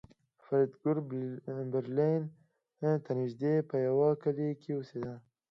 فریدګل برلین ته نږدې په یوه کلي کې اوسېده